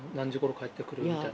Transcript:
帰ってくるみたいな？